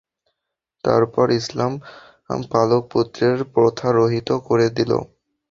তারপর ইসলাম পালক পুত্রের প্রথা রহিত করে দিল।